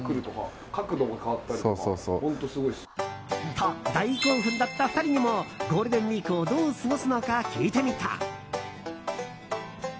と、大興奮だった２人にもゴールデンウィークをどう過ごすのか、聞いてみた。